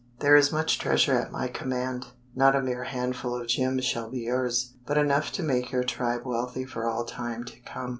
"There is much treasure at my command. Not a mere handful of gems shall be yours, but enough to make your tribe wealthy for all time to come."